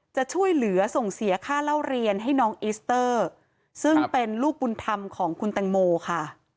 จะช่วยเหลือส่งเสียค่าเล่าเรียนให้น้องอิสเตอร์ซึ่งเป็นลูกบุญธรรมของคุณแตงโมค่ะ